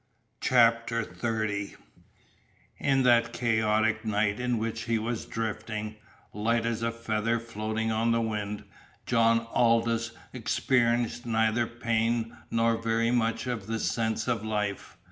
CHAPTER XXX In that chaotic night in which he was drifting, light as a feather floating on the wind, John Aldous experienced neither pain nor very much of the sense of life.